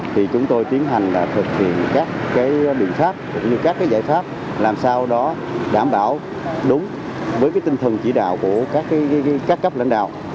thì chúng tôi tiến hành thực hiện các biện pháp cũng như các giải pháp làm sao đó đảm bảo đúng với tinh thần chỉ đạo của các cấp lãnh đạo